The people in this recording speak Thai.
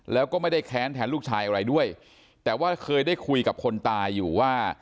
แล้วก็ไม่ได้แค้นแทนลูกชายอะไรด้วยแต่ว่าเคยได้คุยกับคนตายอยู่ว่า